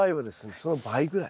その倍ぐらい。